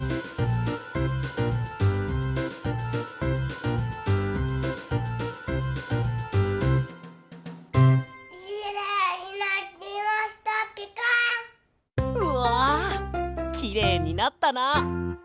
うわきれいになったな。